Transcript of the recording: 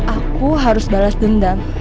aku harus balas dendam